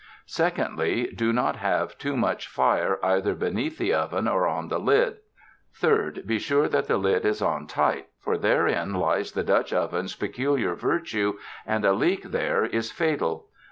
Secondly, do not have too much fire either be neath the oven or on the lid. Third, be sure that the lid is on tight, for therein lies the Dutch oven's peculiar virtue, and a leak there is fatal.